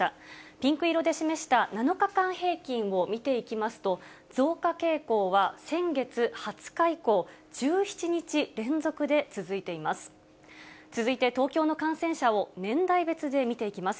ピンク色で示した７日間平均を見ていきますと、増加傾向は先月２０日以降、１７日連続で続いています。